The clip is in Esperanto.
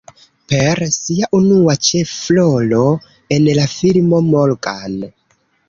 Per sia unua ĉefrolo en la filmo "Morgan.